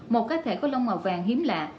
một cá thể có lông màu vàng hiếm lạ